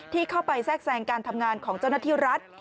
ที่เข้าไปแทรกแทรงการทำงานของเจ้าหน้าที่รัฐ